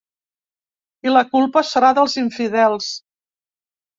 La culpa serà dels infidels.